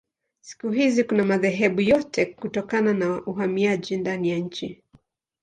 Siku hizi kuna madhehebu yote kutokana na uhamiaji ndani ya nchi.